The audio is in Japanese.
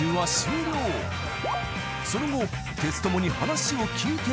［その後］